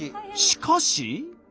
しかし。